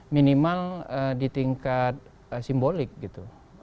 minimal di tingkat simbolik gitu